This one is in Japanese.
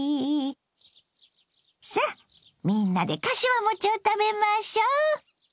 さっみんなでかしわ餅を食べましょう。